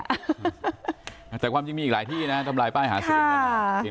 แต่ความจริงมีอีกหลายที่นะทำลายป้ายหาเสียงเลยนะ